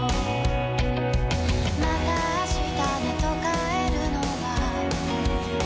「また明日ねと帰るのは」